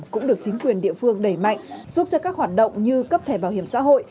cũng được chính quyền địa phương đẩy mạnh giúp cho các hoạt động như cấp thẻ bảo hiểm xã hội